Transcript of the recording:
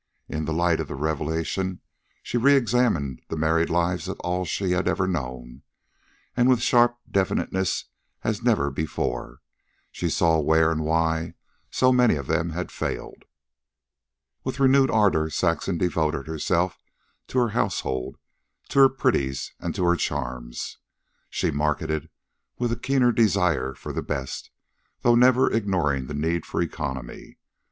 In the light of the revelation she re examined the married lives of all she had ever known, and, with sharp definiteness as never before, she saw where and why so many of them had failed. With renewed ardor Saxon devoted herself to her household, to her pretties, and to her charms. She marketed with a keener desire for the best, though never ignoring the need for economy.